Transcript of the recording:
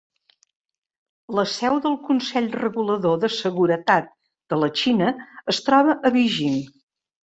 La seu del Consell Regulador de Seguretat de la Xina es troba a Beijing.